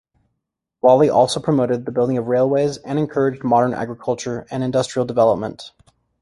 Lawley also promoted the building of railways and encouraged modern agriculture and industrial development.